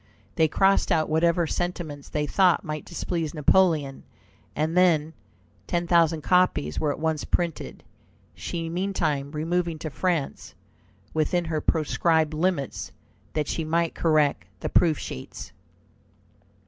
They crossed out whatever sentiments they thought might displease Napoleon, and then ten thousand copies were at once printed, she meantime removing to France, within her proscribed limits, that she might correct the proof sheets.